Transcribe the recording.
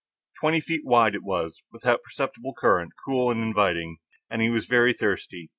Twenty feet wide it was, without perceptible current, cool and inviting, and he was very thirsty.